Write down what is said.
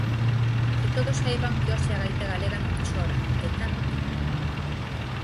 Que todos saiban que hoxe a gaita galega non chora, que canta.